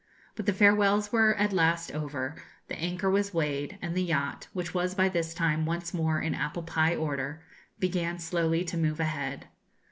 But the farewells were at last over, the anchor was weighed, and the yacht, which was by this time once more in apple pie order, began slowly to move ahead.